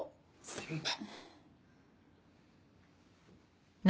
先輩。